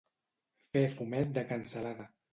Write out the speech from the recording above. Fer fumet de cansalada.